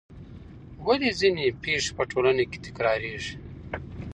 ولې ځینې پېښې په ټولنه کې تکراریږي؟